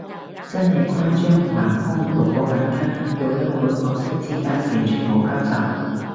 真係誇張，盲兇，六個玩家，有一半角色之間完全冇交集，